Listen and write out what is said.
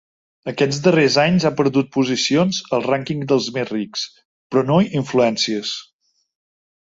Aquests darrers anys ha perdut posicions al rànquing dels més rics, però no influències.